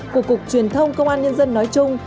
của cục truyền thông công an nhân dân nói chung